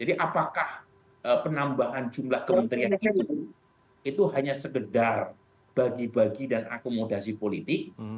atau apakah penambahan jumlah kementerian itu hanya segedar bagi bagi dan akomodasi politik